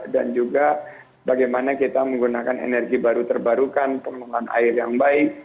dan juga bagaimana kita menggunakan energi baru terbarukan pengelolaan air yang baik